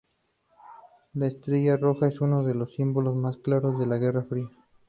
La estrella roja es uno de los símbolos más claros de la Guerra Fría.